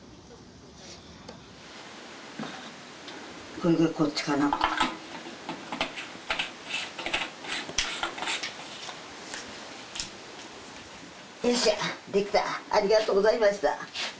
これがこっちかなよっしゃできたありがとうございました